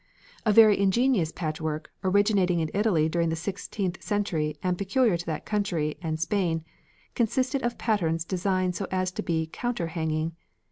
A very ingenious patchwork, originating in Italy during the sixteenth century and peculiar to that country and Spain, consisted of patterns designed so as to be counter hanging.